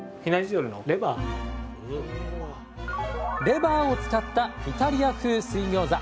レバーを使ったイタリア風水餃子。